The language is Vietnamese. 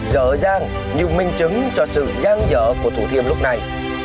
dở dang nhiều minh chứng cho sự giang dở của thủ thiêm lúc này